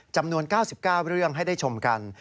จำนวน๙๙เรื่องให้ได้ชมกัน